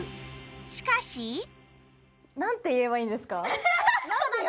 しかしなんていえばいいんですか？